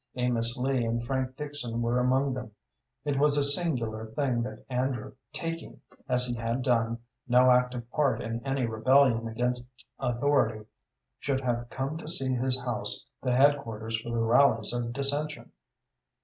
Amos Lee and Frank Dixon were among them. It was a singular thing that Andrew, taking, as he had done, no active part in any rebellion against authority, should have come to see his house the headquarters for the rallies of dissension.